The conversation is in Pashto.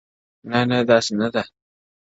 نه ؛ نه داسي نه ده؛